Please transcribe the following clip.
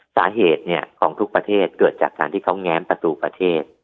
สาเหตุของทุกประเทศเกิดจากการที่เขาแง้มประตูประเทศ